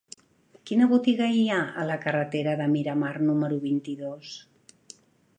Quina botiga hi ha a la carretera de Miramar número vint-i-dos?